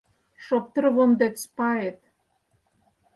Шоптырвондет спает